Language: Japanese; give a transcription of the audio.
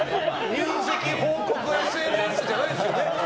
入籍報告のＳＮＳじゃないですからね。